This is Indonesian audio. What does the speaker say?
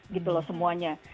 gitu loh semuanya